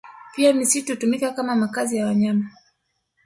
Pia misitu hutumika kama makazi ya wanyama